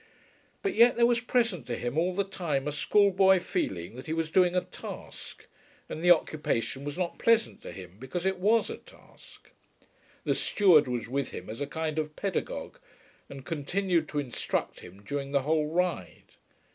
But yet there was present to him all the time a schoolboy feeling that he was doing a task; and the occupation was not pleasant to him because it was a task. The steward was with him as a kind of pedagogue, and continued to instruct him during the whole ride.